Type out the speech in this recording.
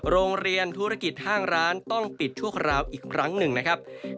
โรงเรียนธุรกิจห้างร้านต้องปิดชั่วคราวอีกครั้งหนึ่งนะครับ